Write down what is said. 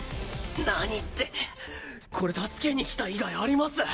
何ってこれ助けに来た以外あります？